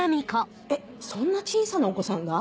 えっそんな小さなお子さんが？